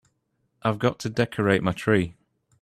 I've got to decorate my tree.